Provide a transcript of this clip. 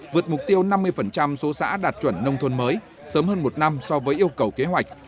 vượt mục tiêu năm mươi số xã đạt chuẩn nông thôn mới sớm hơn một năm so với yêu cầu kế hoạch